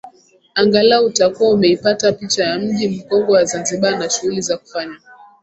Angalau utakuwa umeipata picha ya Mji Mkongwe wa Zanzibar na shughuli za kufanya